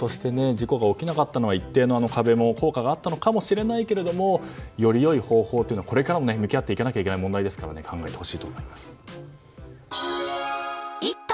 結果として事故が起きなかったのは壁も効果があったのかもしれないけどより良い方法というのはこれからも向き合っていかなければいけない問題なので考えてほしいと思います。